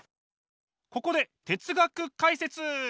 ここで哲学解説。